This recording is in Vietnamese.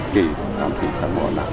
kể các giám thị tham mộ